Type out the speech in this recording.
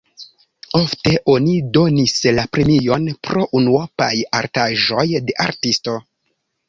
Ofte oni donis la premion pro unuopaj artaĵoj de artisto.